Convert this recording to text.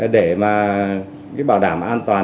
để mà cái bảo đảm an toàn